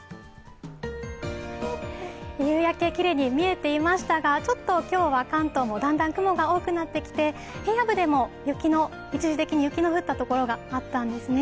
夕焼け、きれいに見えていましたがちょっと今日は関東もだんだん雲が多くなってきて、平野部でも一時的雪の降った所があったんですね。